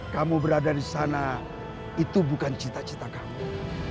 kamu berada di sana itu bukan cita cita kamu